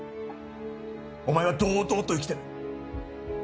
お前は堂々と生きてる。